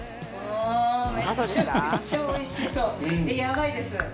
やばいです。